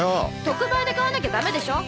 特売で買わなきゃダメでしょ！